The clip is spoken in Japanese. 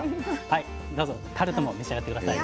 はいどうぞタルトも召し上がって下さい。